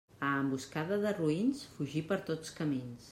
A emboscada de roïns, fugir per tots camins.